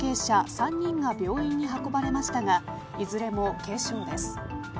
３人が病院に運ばれましたがいずれも軽傷です。